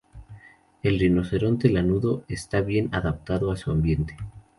El rinoceronte lanudo estaba bien adaptado a su ambiente.